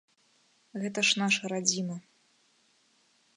Гэта ж наша радзіма.